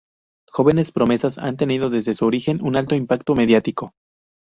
Jóvenes Promesas ha tenido desde su origen un alto impacto mediático.